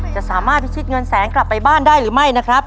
จะสามารถพิชิตเงินแสนกลับไปบ้านได้หรือไม่นะครับ